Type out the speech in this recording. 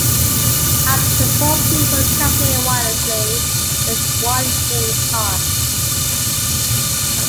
Up to four people can play wirelessly with one game card.